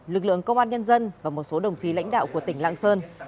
lực lượng công an nhân dân và một số đồng chí lãnh đạo của tỉnh lạng sơn